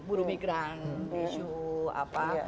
buru migran isu apa